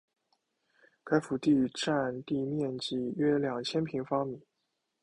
该府第占地面积约两千平方米。